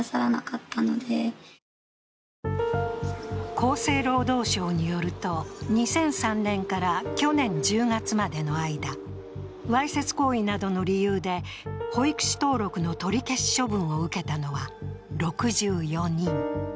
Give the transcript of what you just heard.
厚生労働省によると２００３年から去年１０月までの間わいせつ行為などの理由で保育士登録の取り消し処分を受けたのは６４人。